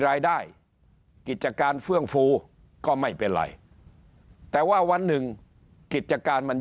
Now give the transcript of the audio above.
รายได้กิจการเฟื่องฟูก็ไม่เป็นไรแต่ว่าวันหนึ่งกิจการมัน